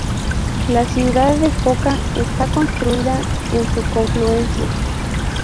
La ciudad de Foča está construida en su confluencia.